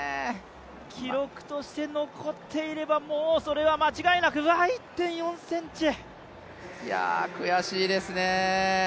記録として残っていれば、もうそれは間違いなく悔しいですね。